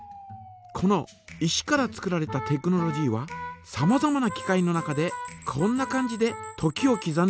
この石から作られたテクノロジーはさまざまな機械の中でこんな感じで時をきざんでいます。